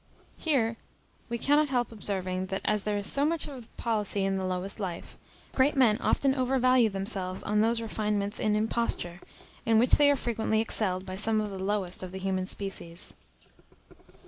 Here we cannot help observing, that as there is so much of policy in the lowest life, great men often overvalue themselves on those refinements in imposture, in which they are frequently excelled by some of the lowest of the human species.